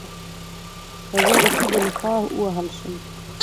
که زه د ښځې له خوا ووهل شم